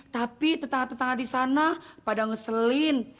tapi tetangga tetangga di sana pada ngeselin